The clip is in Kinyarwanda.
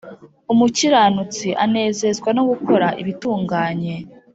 Umukiranutsi anezezwa no gukora ibitunganye.